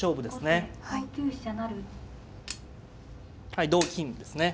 はい同金ですね。